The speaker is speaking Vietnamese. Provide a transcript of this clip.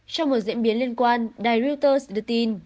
trong một diễn biến liên quan đài reuters đưa tin